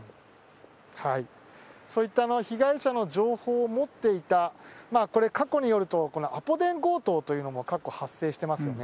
そういった被害者の情報を持っていた、これ、過去によると、アポ電強盗というのも過去発生してますよね。